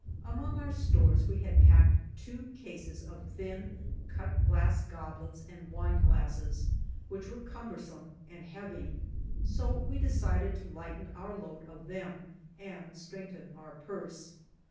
Among our stores we had packed two cases of thin, /cutglass goblets and wine glasses, which were cumbersome and heavy, so we decided to lighten our load of them and strengthen our purse.